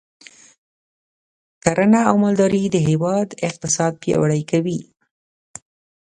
کرنه او مالداري د هیواد اقتصاد پیاوړی کوي.